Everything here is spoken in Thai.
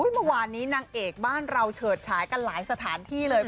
เมื่อวานนี้นางเอกบ้านเราเฉิดฉายกันหลายสถานที่เลย